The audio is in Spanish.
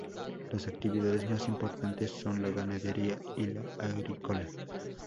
Las actividades más importantes son la ganadera y la agrícola.